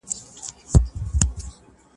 زه پرون د سبا لپاره د درسونو يادونه کوم.